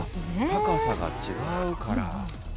高さが違うから。